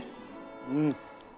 うん。